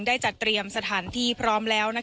ได้จัดเตรียมสถานที่พร้อมแล้ว